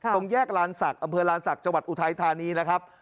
ตรงแยกอำเภอลานศักดิ์จังหวัดอุทัยธานีนะครับ